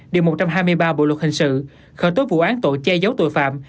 điều một trăm hai mươi ba bộ luật hình sự khởi tố vụ án tội che giấu tội phạm